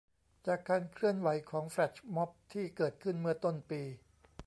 จากการเคลื่อนไหวของ แฟลชม็อบ ที่เกิดขึ้นเมื่อต้นปี